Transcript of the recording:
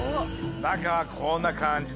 中はこんな感じだ。